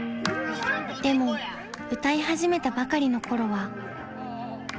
［でも歌い始めたばかりの頃は］